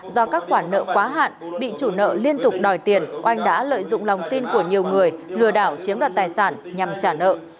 do các khoản nợ quá hạn bị chủ nợ liên tục đòi tiền oanh đã lợi dụng lòng tin của nhiều người lừa đảo chiếm đoạt tài sản nhằm trả nợ